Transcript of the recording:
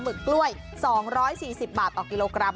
ึกกล้วย๒๔๐บาทต่อกิโลกรัม